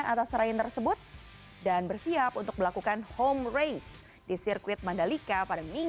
atas rain tersebut dan bersiap untuk melakukan home race di sirkuit international mandalika